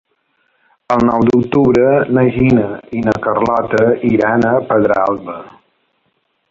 El nou d'octubre na Gina i na Carlota iran a Pedralba.